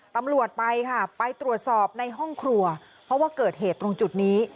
ตำรวจไปค่ะไปตรวจสอบในห้องครัวเพราะว่าเกิดเหตุตรงจุดนี้